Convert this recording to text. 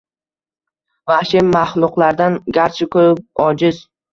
Vahshiy mahluqlardan garchi ko’p ojiz.